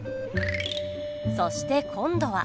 そして今度は。